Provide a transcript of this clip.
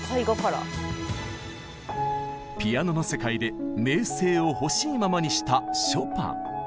ピアノの世界で名声をほしいままにしたショパン。